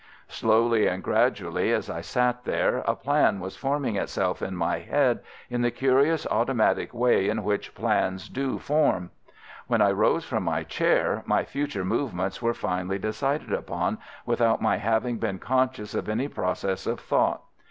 Slowly and gradually as I sat there a plan was forming itself in my head in the curious automatic way in which plans do form. When I rose from my chair my future movements were finally decided upon without my having been conscious of any process of thought.